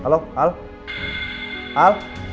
saya berkata ini olehwheelet net